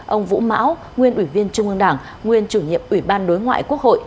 ông vũ mão nguyên ủy viên trung ương đảng nguyên chủ nhiệm ủy ban đối ngoại quốc hội